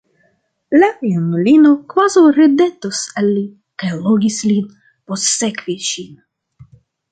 La junulino kvazaŭ ridetus al li kaj logis lin postsekvi ŝin.